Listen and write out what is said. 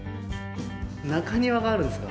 中庭があるんですか。